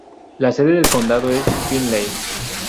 La sede del condado es Finley.